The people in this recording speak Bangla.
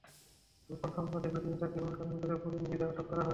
গোপন সংবাদের ভিত্তিতে তাঁকে অনুসরণ করে বোর্ডিং ব্রিজে আটক করা হয়।